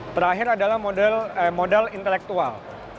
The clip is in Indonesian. terakhir adalah modal intelektual